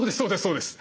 そうです